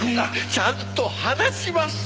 ちゃんと話しました！